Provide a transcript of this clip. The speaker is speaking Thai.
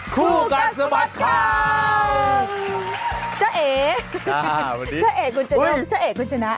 คู่กันสบัดค่ะเจ้าเอกอ่าวันนี้เจ้าเอกคุณชนมเจ้าเอกคุณชนะ